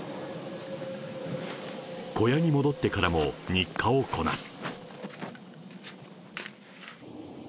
小屋に戻ってからも、日課をこなす。